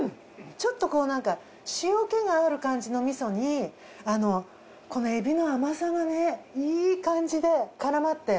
ちょっと塩気がある感じの味噌にこの海老の甘さがねいい感じで絡まって。